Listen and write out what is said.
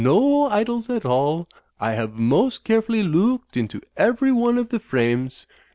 No Idols at all. I have most carefully loo ooked into every one of the frames.